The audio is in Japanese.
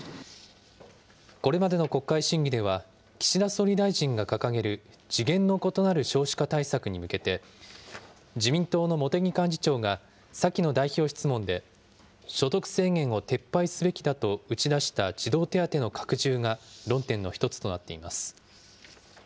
これまでの国会審議では、岸田総理大臣が掲げる、次元の異なる少子化対策に向けて、自民党の茂木幹事長が先の代表質問で、所得制限を撤廃すべきだと打ち出した児童手当の拡充が論点の１つとなっています。